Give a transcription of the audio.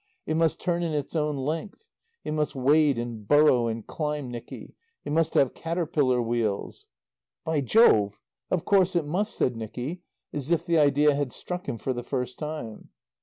It must turn in its own length. It must wade and burrow and climb, Nicky. It must have caterpillar wheels " "By Jove, of course it must," said Nicky, as if the idea had struck him for the first time.